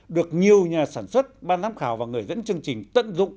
được nhiều nhà sản xuất ban giám khảo và người dẫn chương trình tận dụng